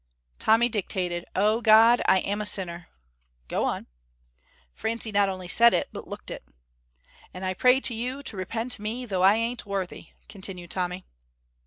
Tommy dictated: "Oh, God, I am a sinner. Go on." Francie not only said it, but looked it. "And I pray to you to repent me, though I ain't worthy," continued Tommy.